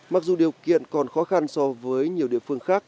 mặc dù điều kiện còn khó khăn so với nhiều địa phương khác